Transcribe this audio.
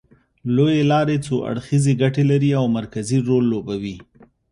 لوېې لارې څو اړخیزې ګټې لري او مرکزي رول لوبوي